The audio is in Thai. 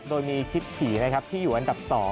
โดยมีคลิปฉี่นะครับที่อยู่อันดับ๒